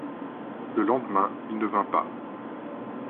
Le lendemain il ne vint pas.